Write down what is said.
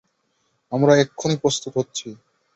আমরা এক্ষুণি প্রস্তুত হচ্ছি।